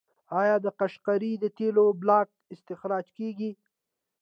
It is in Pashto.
آیا د قشقري د تیلو بلاک استخراج کیږي؟